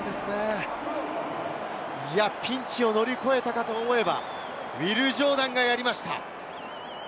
ピンチを乗り越えたかと思えば、ウィル・ジョーダンがやりました。